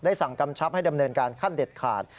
สั่งกำชับให้ดำเนินการขั้นเด็ดขาด